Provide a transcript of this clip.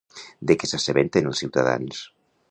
De què s'assabenten els ciutadans?